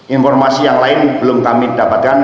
informasi yang lain belum kami dapatkan